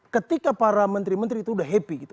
ketika para menteri menteri itu udah happy gitu